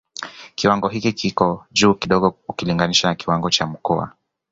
Kiwango hiki kiko juu kidogo ukilinginisha na kiwango cha Mkoa